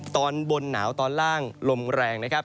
ตอนบนหนาวตอนล่างลมแรงนะครับ